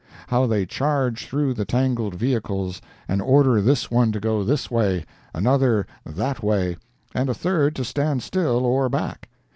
—how they charge through the tangled vehicles, and order this one to go this way, another that way, and a third to stand still or back!